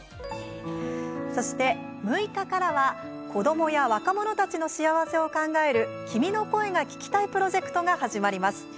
そして、６日からは子どもや若者たちの幸せを考える「君の声が聴きたい」プロジェクトが始まります。